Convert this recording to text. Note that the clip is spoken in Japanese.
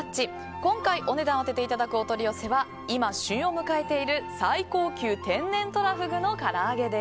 今回お値段を当てていただくお取り寄せは今旬を迎えている最高級天然とらふぐの唐揚げです。